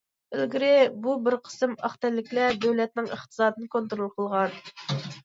ئىلگىرى بۇ بىر قىسىم ئاق تەنلىكلەر دۆلەتنىڭ ئىقتىسادىنى كونترول قىلغان.